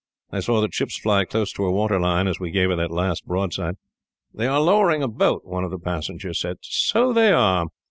I saw the chips fly close to her waterline, as we gave her that last broadside." "They are lowering a boat," one of the passengers said. "So they are.